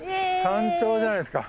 山頂じゃないですか。